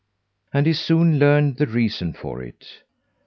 And he soon learned the reason for it.